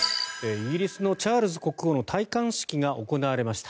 イギリスのチャールズ国王の戴冠式が行われました。